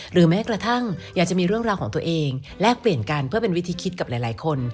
แม้กระทั่งอยากจะมีเรื่องราวของตัวเองแลกเปลี่ยนกันเพื่อเป็นวิธีคิดกับหลายคน